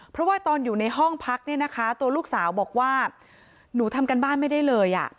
เพราะว่าตอนอยู่ในห้องพักเนี่ยนะคะตัวลูกสาวบอกว่าหนูทำการบ้านไม่ได้เลย